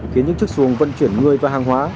khiến những chiếc xuồng vận chuyển người và hàng hóa